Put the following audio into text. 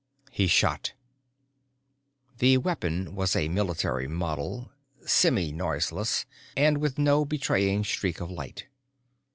_ He shot. The weapon was a military model, semi noiseless and with no betraying streak of light.